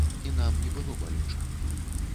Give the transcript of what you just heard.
І нам не было балюча.